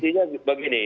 ya intinya begini